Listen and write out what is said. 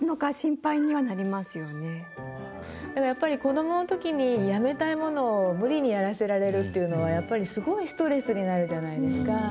やっぱり子どもの時にやめたいものを無理にやらせられるっていうのはやっぱりすごいストレスになるじゃないですか。